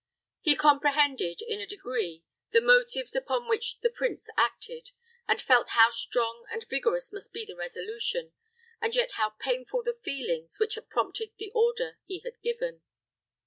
He comprehended, in a degree, the motives upon which the prince acted, and felt how strong and vigorous must be the resolution, and yet how painful the feelings which had prompted the order he had given.